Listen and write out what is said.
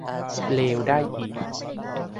เลวได้อีก